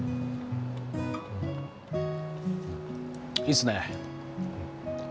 いいすね！